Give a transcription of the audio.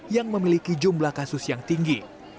yang memiliki jumlah kasus yang tinggi